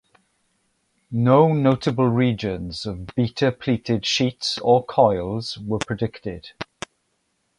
No notable regions of beta pleated sheets or coils were predicted.